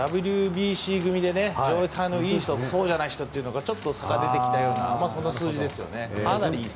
ＷＢＣ組で状態のいい人とそうじゃない人がちょっと差が出てきたというそんな数字ですよね。